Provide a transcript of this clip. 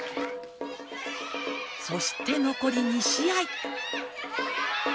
そして残り２試合